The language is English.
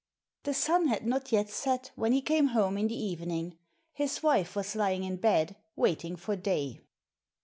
The sun had not yet set when he came home in the evening. His wife was lying in bed waiting for day.